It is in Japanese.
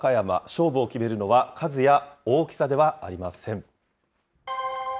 勝負を決めるのは数や大きさではありません。